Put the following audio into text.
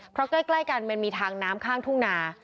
เพราะใกล้กันมันมีทางน้ำข้างทุ่งนา